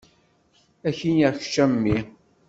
Ad k-iniɣ kečč a mmi.